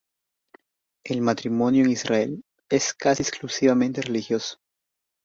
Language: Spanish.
El matrimonio en Israel es casi exclusivamente religioso.